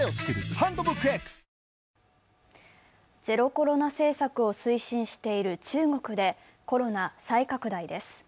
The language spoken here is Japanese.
ゼロコロナ政策を推進している中国でコロナ再拡大です。